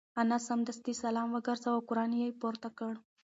انا سمدستي سلام وگرځاوه او قران یې پورته کړ.